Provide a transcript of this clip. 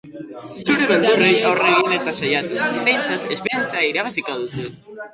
Zure beldurrei aurre egin eta saiatu, behintzat esperientzia irabaziko duzu.